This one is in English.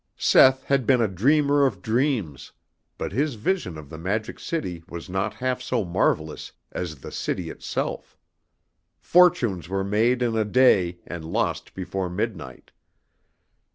Seth had been a dreamer of dreams, but his vision of the Magic City was not half so marvellous as the city itself. Fortunes were made in a day and lost before midnight.